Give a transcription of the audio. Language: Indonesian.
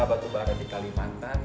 maka sudah kirim